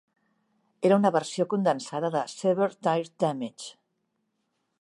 Era una versió condensada de "Severe Tire Damage".